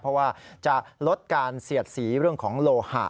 เพราะว่าจะลดการเสียดสีเรื่องของโลหะ